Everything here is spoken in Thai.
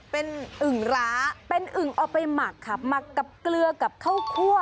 เป็นอึ่งร้าเป็นอึ่งเอาไปหมักครับหมักกับเกลือกับข้าวคั่ว